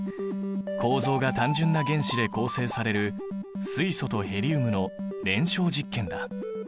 構造が単純な原子で構成される水素とヘリウムの燃焼実験だ。